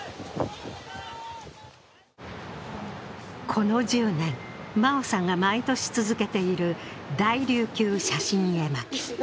この１０年、真生さんが毎年続けている「大琉球写真絵巻」。